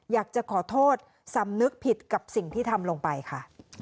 อยากจะขอโทษสำนึกผิดกับสิ่งที่ทำลงไปค่ะ